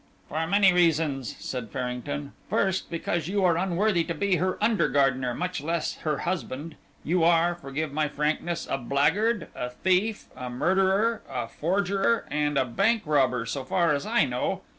"For many reasons," said Farrington. "First, because you are unworthy to be her under gardener, much less her husband. You are, forgive my frankness, a blackguard, a thief, a murderer, a forger and a bank robber, so far as I know."